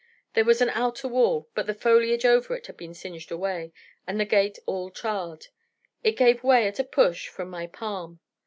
There was an outer wall, but the foliage over it had been singed away, and the gate all charred. It gave way at a push from my palm.